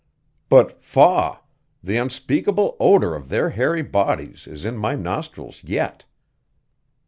But faugh! The unspeakable odor of their hairy bodies is in my nostrils yet.